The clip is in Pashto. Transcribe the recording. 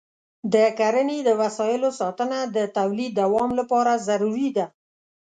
د کرني د وسایلو ساتنه د تولید دوام لپاره ضروري ده.